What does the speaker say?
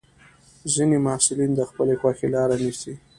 ځینې محصلین د خپلې خوښې لاره نیسي.